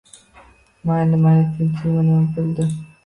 Mayli, mayli, tinchlikmi, nima bo`ldi